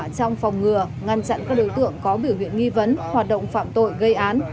trong phòng ngừa ngăn chặn các đối tượng có biểu hiện nghi vấn hoạt động phạm tội gây án